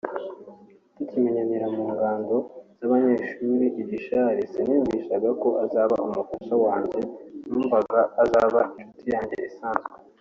“Tukimenyanira mu ngando z’abanyeshuri i Gishari siniyumvishaga ko azaba umufasha wanjye numvaga azaba inshuti yanjye isanzwe